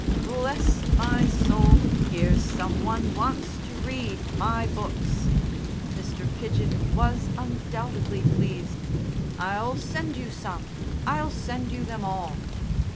"Bless my soul! Here's some one wants to read my books!" Mr. Pidgen was undoubtedly pleased. "I'll send you some. I'll send you them all!"